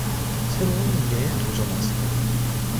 새로운 미래에 도전하세요.